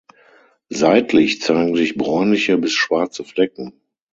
Seitlich zeigen sich bräunliche bis schwarze Flecken.